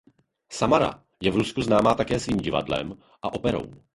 Samara je v Rusku známá také svým divadlem a operou.